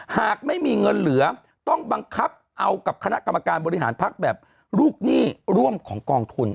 หากไม่มีเงินเหลือต้องบังคับเอากับคณะกรรมการบริหารพักแบบลูกหนี้ร่วมของกองทุน